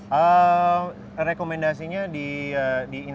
tapi kadang kadang dari polusi hyperloca misalnya bisa ada kebakaran sampah di sebelahnya